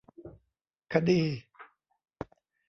คดี